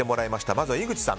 まずは井口さん。